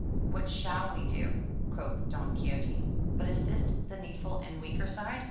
'* "What shall we do," quoth Don Quixote, "but assist the needful and weaker side?